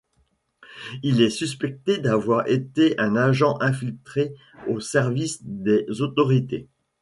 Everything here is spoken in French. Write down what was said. Il est suspecté d'avoir été un agent infiltré au service des autorités.